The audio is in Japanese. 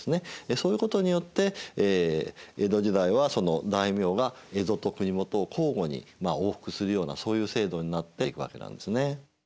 そういうことによって江戸時代はその大名が江戸と国元を交互にまあ往復するようなそういう制度になっていくわけなんですね。